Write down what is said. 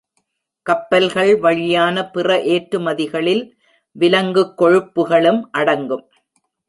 கப்பல்கள் வழியான பிற ஏற்றுமதிகளில் விலங்குக்கொழுப்புகளும் அடங்கும்.